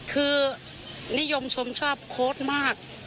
คือนิยมชมชอบโค้ดมาก